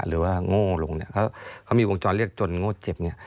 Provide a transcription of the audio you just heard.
หรือว่างโง่ลงเขามีวงจรเรียกจนโง่เจ็บ